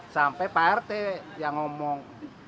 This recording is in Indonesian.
sampai pak rt yang ngomong